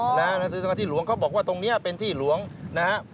หนังสือสังกัดที่หลวงเขาบอกว่าตรงนี้เป็นที่หลวงนะครับ